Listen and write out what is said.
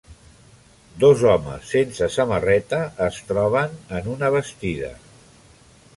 Dos homes sense samarreta es troben en una bastida.